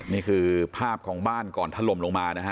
นี่คือภาพของบ้านก่อนถล่มลงมานะฮะ